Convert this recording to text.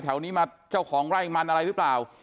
แถวนี้มาเจ้าของไร่มันอะไรหรือเปล่า